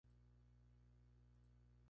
El single tiene como Lado B "Two Of A Kind".